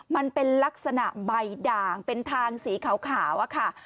มันเป็นลักษณะใบด่างเป็นทางสีขาวอะค่ะ